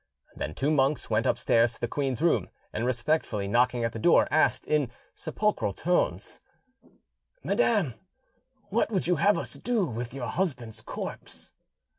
Then two monks went upstairs to the queen's room, and respectfully knocking at the door, asked in sepulchral tones— "Madam, what would you have us do with your husband's corpse?"